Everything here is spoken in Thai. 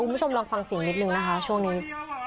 คุณผู้ชมลองฟังเสียงนิดนึงนะคะช่วงนี้